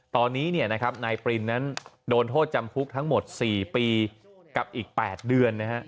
ตอนนี้นายปรินนั้นโดนโทษจำคุกทั้งหมด๔ปีกับอีก๘เดือนนะฮะ